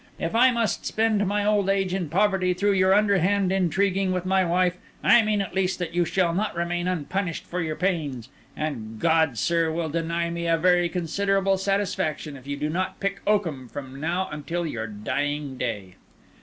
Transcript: If I must spend my old age in poverty through your underhand intriguing with my wife, I mean at least that you shall not remain unpunished for your pains; and God, sir, will deny me a very considerable satisfaction if you do not pick oakum from now until your dying day."